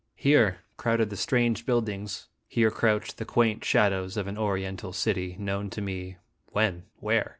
Here crowded the strange buildings, here crouched the quaint shadows of an Oriental city, known to me when? where?